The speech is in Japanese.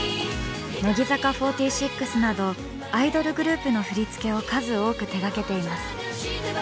乃木坂４６などアイドルグループの振り付けを数多く手がけています。